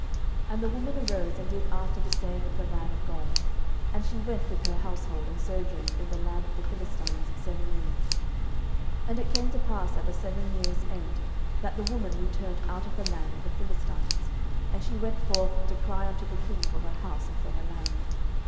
12:008:002 And the woman arose, and did after the saying of the man of God: and she went with her household, and sojourned in the land of the Philistines seven years. 12:008:003 And it came to pass at the seven years' end, that the woman returned out of the land of the Philistines: and she went forth to cry unto the king for her house and for her land.